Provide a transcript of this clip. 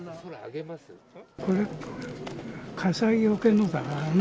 これ、火災よけのだからね。